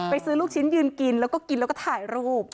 ซื้อลูกชิ้นยืนกินแล้วก็กินแล้วก็ถ่ายรูป